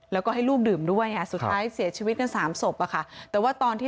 แล้วก็ให้ลูกดื่มด้วยอ่ะสุดท้ายเสียชีวิตกันสามศพอะค่ะแต่ว่าตอนที่